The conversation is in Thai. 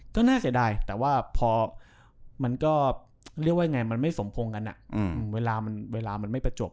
ก็น่าเสียดายแต่ว่าพอมันก็เรียกว่าไงมันไม่สมพงษ์กันเวลามันไม่ประจบ